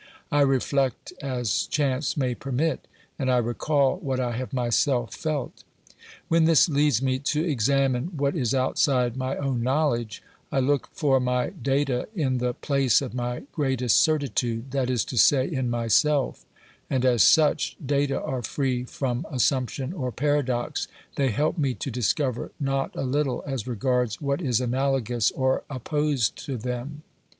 I reflect as chance may permit, and I recall what I have myself felt. When this leads me to examine what is outside my own knowledge, I look for my data in the place of my greatest certitude, that is to say, in myself, and as such data are free from assumption or paradox, they help me to discover not a little as regards what is analogous or opposed to them.